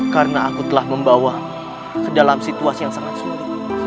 karena saya telah membawa anda ke dalam situasinya yang sangat sulit